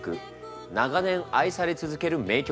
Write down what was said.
長年愛され続ける名曲です。